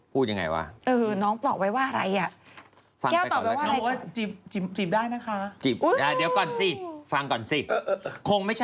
พูดยังไงวะ